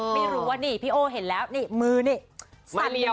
ไม่รู้ว่าพี่โอเห็นแล้วซึ้งข้างนี้